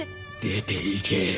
出て行け！